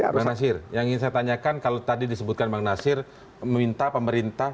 bang nasir yang ingin saya tanyakan kalau tadi disebutkan bang nasir meminta pemerintah